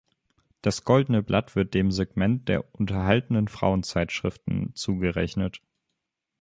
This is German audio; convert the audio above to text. Das Goldene Blatt wird dem Segment der „unterhaltenden Frauenzeitschriften“ zugerechnet.